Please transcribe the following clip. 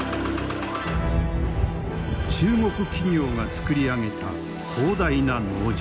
中国企業が作り上げた広大な農場。